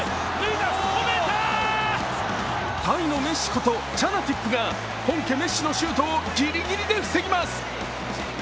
タイのメッシことチャナティップが本家・メッシのシュートをギリギリで防ぎます。